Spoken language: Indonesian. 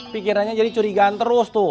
pikirannya jadi curigaan terus tuh